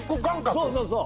そうそうそう。